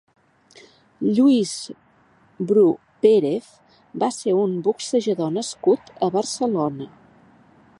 Lluís Bru Pérez va ser un boxejador nascut a Barcelona.